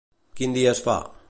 Quin dia es fa?